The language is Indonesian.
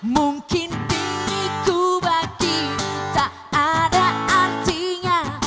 mungkin diriku bagimu tak ada artinya